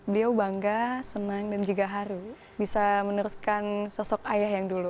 beliau bangga senang dan juga haru bisa meneruskan sosok ayah yang dulu